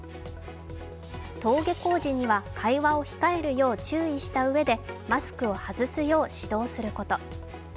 登下校時には会話を控えるよう注意したうえでマスクを外すよう指導すること。